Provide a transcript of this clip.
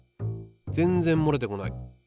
全然もれてこない！